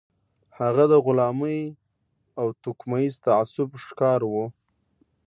هغه د غلامۍ او توکميز تعصب ښکار و.